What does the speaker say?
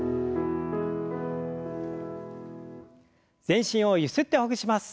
全身をゆすってほぐします。